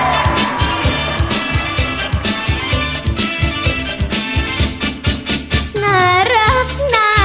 โปรดติดตามต่อไป